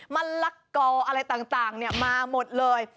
มะละกออะไรต่างมาหมดเลย